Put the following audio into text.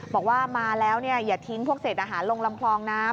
บอกว่ามาแล้วอย่าทิ้งพวกเศษอาหารลงลำคลองน้ำ